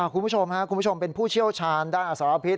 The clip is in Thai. คุณผู้ชมคุณผู้ชมเป็นผู้เชี่ยวธรรมด้านอสรภิษ